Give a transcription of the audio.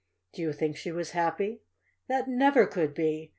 Do you think she was happy ? That never could he